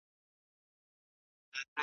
د هرات لرغونی ولایت یې `